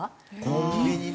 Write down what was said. コンビニね！